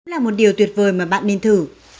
là một điều tuyệt vời mà bạn nên thử